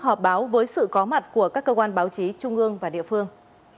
họp báo với sự có mặt của các cơ quan báo chí trung ương và địa phương